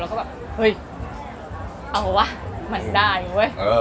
แล้วก็แบบเฮ้ยเอาวะมันได้เว้ย